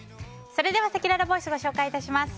それではせきららボイスご紹介致します。